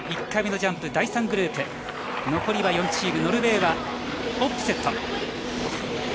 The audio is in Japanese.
１回目ジャンプ第３グループ、残りは４チーム、ノルウェーはオップセット。